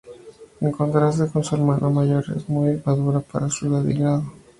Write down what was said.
En contraste con su hermano mayor, es muy madura para su edad y grado.